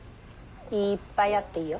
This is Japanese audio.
いっぱいあっていいよ。